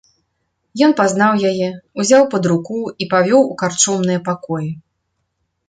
Ён пазнаў яе, узяў пад руку і павёў у карчомныя пакоі.